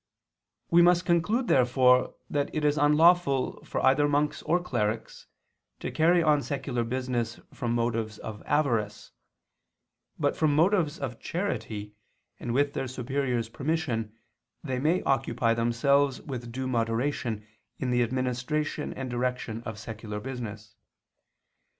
We must conclude therefore that it is unlawful for either monks or clerics to carry on secular business from motives of avarice; but from motives of charity, and with their superior's permission, they may occupy themselves with due moderation in the administration and direction of secular business.